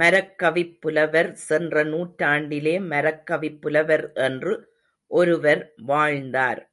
மரக்கவிப்புலவர் சென்ற நூற்றாண்டிலே மரக்கவிப்புலவர் என்று ஒருவர் வாழ்ந்தார்.